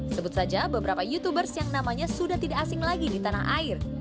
sebut saja beberapa youtubers yang namanya sudah tidak asing lagi di tanah air